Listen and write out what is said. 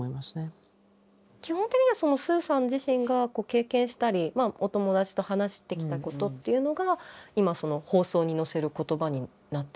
基本的にはスーさん自身が経験したりお友達と話してきたことっていうのが今放送に乗せる言葉になっているんでしょうかね？